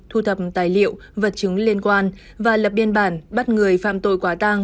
thu thập tài liệu vật chứng liên quan và lập biên bản bắt người phạm tội quá tăng